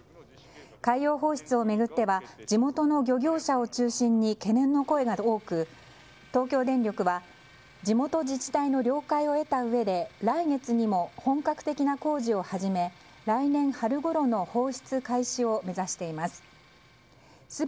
海洋放出を巡っては地元の漁業者を中心に懸念の声が多く、東京電力は地元自治体の了解を得たうえで来月にも本格的な工事を始め来年春ごろの放出開始を目指しています。